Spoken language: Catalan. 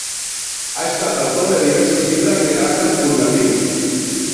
Ha estat autor de diversos llibres de caràcter divulgatiu.